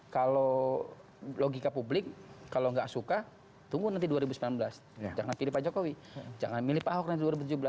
kalau logika publik kalau nggak suka tunggu nanti dua ribu sembilan belas jangan pilih pak jokowi jangan milih pak ahok nanti dua ribu tujuh belas